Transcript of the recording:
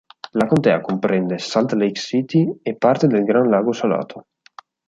La contea comprende Salt Lake City e parte del Gran Lago Salato.